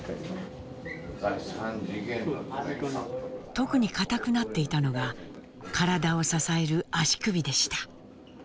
特に硬くなっていたのが体を支える足首でした。